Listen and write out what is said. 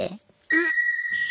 えっ！